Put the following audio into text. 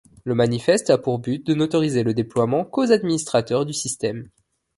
Le manifeste a pour but de n'autoriser le déploiement qu'aux administrateurs du système.